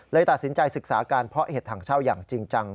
ตัดสินใจศึกษาการเพาะเห็ดถังเช่าอย่างจริงจัง